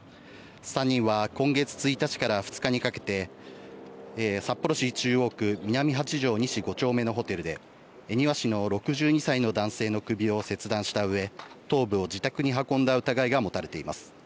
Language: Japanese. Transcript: ３人は今月１日から２日にかけて札幌市中央区南八条西５丁目のホテルで恵庭市の６２歳の男性の首を切断したうえ頭部を自宅に運んだ疑いが持たれています。